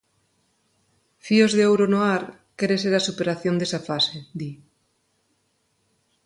"Fíos de ouro no ar" quere ser a superación desa fase, di.